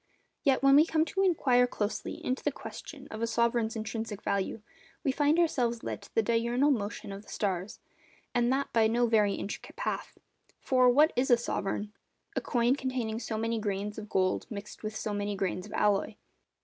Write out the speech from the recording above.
Yet, when we come to inquire closely into the question of a sovereign's intrinsic value, we find ourselves led to the diurnal motion of the stars, and that by no very intricate path. For, What is a sovereign? A coin containing so many grains of gold mixed with so many grains of alloy.